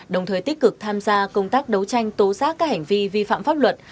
đồng thời tích cực tham gia công tác đấu tranh tố giác các hành vi vi phạm pháp luật